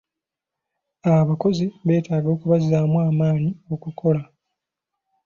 Abakozi beetaaga okubazzaamu amaanyi okukola.